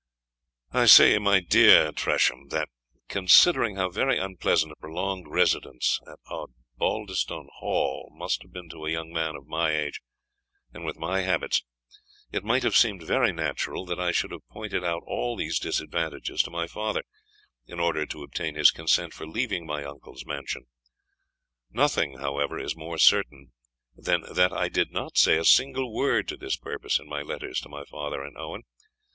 I say, my dear Tresham, that, considering how very unpleasant a prolonged residence at Osbaldistone Hall must have been to a young man of my age, and with my habits, it might have seemed very natural that I should have pointed out all these disadvantages to my father, in order to obtain his consent for leaving my uncle's mansion. Nothing, however, is more certain, than that I did not say a single word to this purpose in my letters to my father and Owen.